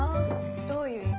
どういう意味？